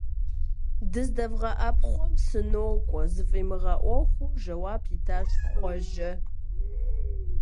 - ДыздэвгъэӀэпхъуэм сынокӀуэ, - зыфӀимыгъэӀуэхуу жэуап итащ Хъуэжэ.